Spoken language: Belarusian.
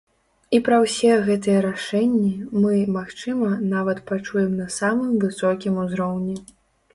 І пра ўсе гэтыя рашэнні мы, магчыма, нават пачуем на самым высокім узроўні.